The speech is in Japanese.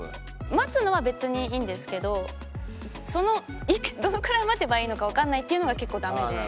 待つのは別にいいんですけどそのどのくらい待てばいいのかわかんないっていうのが結構ダメで。